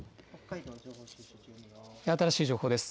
新しい情報です。